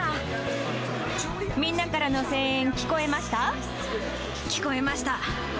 みんなからの声援、聞こえま聞こえました。